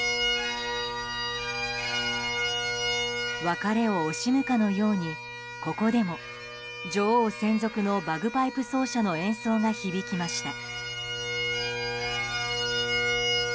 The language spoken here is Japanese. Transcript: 別れを惜しむかのようにここでも女王専属のバグパイプ奏者の演奏が響きました。